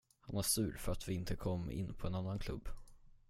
Han är sur för att vi inte kom in på en annan klubb.